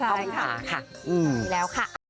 ใช่ค่ะค่ะอืมค่ะอืม